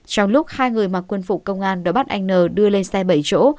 trong lúc hai người mặc quân phục công an đòi bắt anh nờ đưa lên xe bảy chỗ